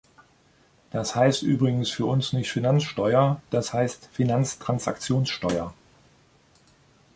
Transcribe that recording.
Das heißt übrigens für uns nicht Finanzsteuer, das heißt Finanztransaktionssteuer.